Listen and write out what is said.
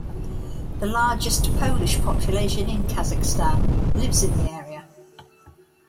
The largest Polish population in Kazakhstan lives in the area.